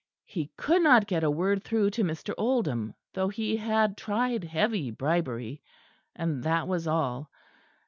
He could not get a word through to Mr. Oldham, though he had tried heavy bribery. And that was all.